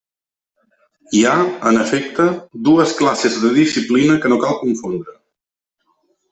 Hi ha, en efecte, dues classes de disciplina que cal no confondre.